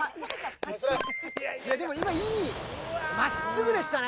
でも今いいまっすぐでしたね。